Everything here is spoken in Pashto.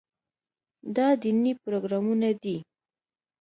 دا دیني پروګرامونه دي.